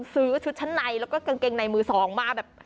ชุดชั้นในแล้วก็กางเกงในมือสองมาแบบ